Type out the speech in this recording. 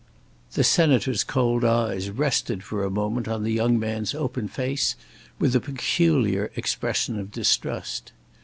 The Senator's cold eyes rested for a moment on the young man's open face with a peculiar expression of distrust.